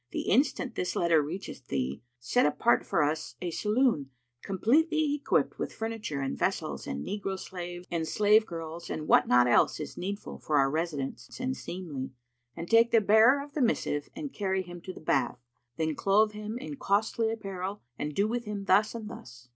The instant this letter reacheth thee, set apart for us a saloon completely equipped with furniture and vessels and negro slaves and slave girls and what not else is needful for our residence and seemly, and take the bearer of the missive and carry him to the bath. Then clothe him in costly apparel and do with him thus and thus."